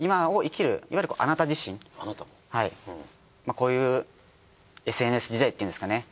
こういうＳＮＳ時代っていうんですかね。